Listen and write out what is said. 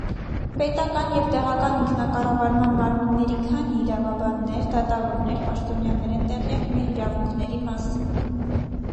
Պետական և տեղական ինքնակառավարման մարմինների քանի՞ իրավաբաններ, դատավորներ, պաշտոնյաներ են տեղյակ մեր իրավունքների մասին։